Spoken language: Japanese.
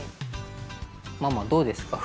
ママどうですか？